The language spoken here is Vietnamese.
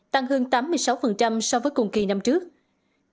tăng hơn tám mươi sáu so với cùng kỳ năm trước